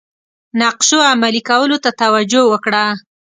نقشو عملي کولو ته توجه وکړه.